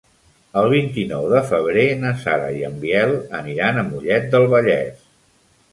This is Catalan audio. El vint-i-nou de febrer na Sara i en Biel aniran a Mollet del Vallès.